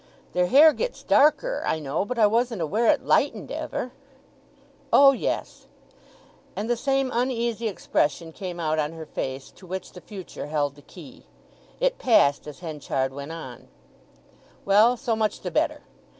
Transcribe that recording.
"Their hair gets darker, I know—but I wasn't aware it lightened ever?" "O yes." And the same uneasy expression came out on her face, to which the future held the key. It passed as Henchard went on: "Well, so much the better.